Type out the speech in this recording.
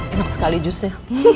enak sekali jusnya